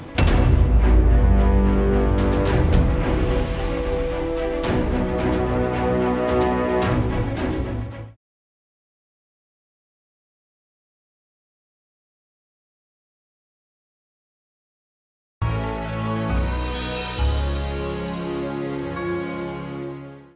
terima kasih banyak